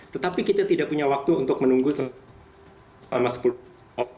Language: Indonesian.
tetapi kita tidak punya waktu untuk menunggu selama sepuluh tahun